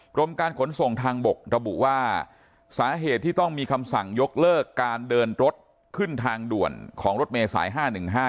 กรมการขนส่งทางบกระบุว่าสาเหตุที่ต้องมีคำสั่งยกเลิกการเดินรถขึ้นทางด่วนของรถเมษาย๕๑๕